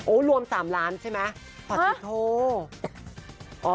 โอ้รวม๓ล้านใช่ไหมปาจิโธ